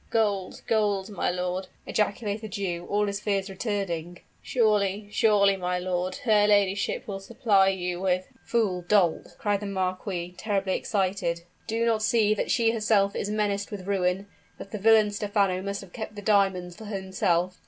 "Gold gold, my lord!" ejaculated the Jew, all his fears returning; "surely surely, my lord, her ladyship will supply you with " "Fool dolt!" cried the marquis, terribly excited; "do you not see that she herself is menaced with ruin that the villain Stephano must have kept the diamonds for himself?